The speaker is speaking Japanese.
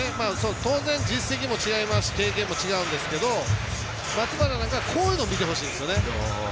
当然、実績も違いますし経験も違うんですけど松原なんかはこういうの見てほしいんですよね。